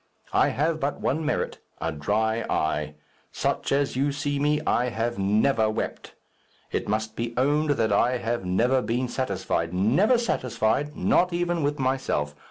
I have but one merit a dry eye. Such as you see me, I have never wept. It must be owned that I have never been satisfied never satisfied not even with myself.